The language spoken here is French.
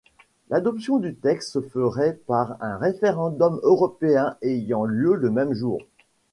L’adoption du texte se ferait par un référendum européen ayant lieu le même jour.